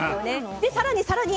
で更に更に。